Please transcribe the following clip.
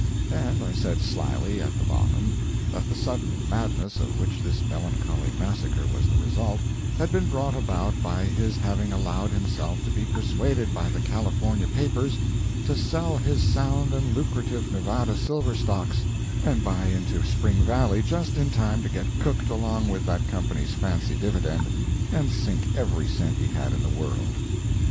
And I said slyly, at the bottom, that the sudden madness of which this melancholy massacre was the result had been brought about by his having allowed himself to be persuaded by the California papers to sell his sound and lucrative Nevada silver stocks, and buy into Spring Valley just in time to get cooked along with that company's fancy dividend, and sink every cent he had in the world.